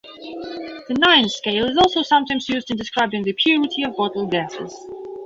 The nines scale is also sometimes used in describing the purity of bottled gases.